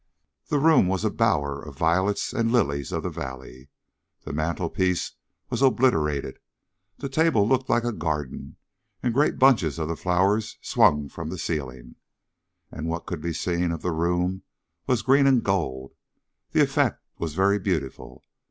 The room was a bower of violets and lilies of the valley. The mantelpiece was obliterated, the table looked like a garden, and great bunches of the flowers swung from the ceiling. As what could be seen of the room was green and gold, the effect was very beautiful.